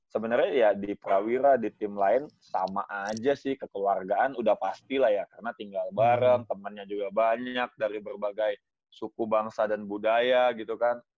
sebenarnya ya di prawira di tim lain sama aja sih kekeluargaan udah pasti lah ya karena tinggal bareng temennya juga banyak dari berbagai suku bangsa dan budaya gitu kan